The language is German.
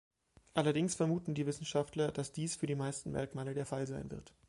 Allerdings vermuten die Wissenschaftler, dass dies für die meisten Merkmale der Fall sein wird.